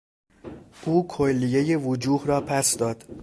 او کلیهٔ وجوه را پس داد.